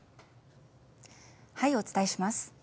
はい、お伝えします。